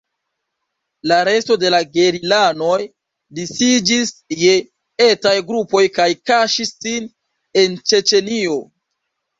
La resto de la gerilanoj disiĝis je etaj grupoj kaj kaŝis sin en Ĉeĉenio.